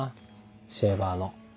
シェーバーの。